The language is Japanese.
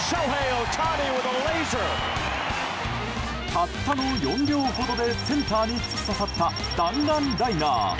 たったの４秒ほどでセンターに突き刺さった弾丸ライナー。